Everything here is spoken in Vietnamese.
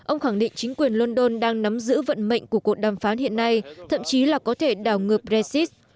ông khẳng định chính quyền london đang nắm giữ vận mệnh của cuộc đàm phán hiện nay thậm chí là có thể đảo ngược brexit